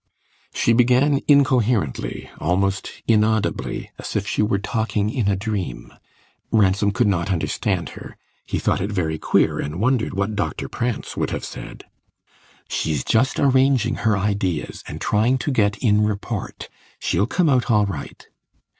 She began incoherently, almost inaudibly, as if she were talking in a dream. Ransom could not understand her; he thought it very queer, and wondered what Doctor Prance would have said. "She's just arranging her ideas, and trying to get in report; she'll come out all right."